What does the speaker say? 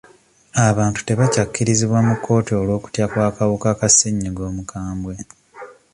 Abantu tebakyakkirizibwa mu kkooti olw'okutya kw'akawuka ka ssenyigga omukambwe.